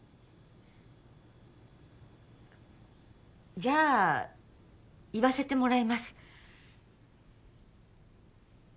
じゃあ言わせてもらいます。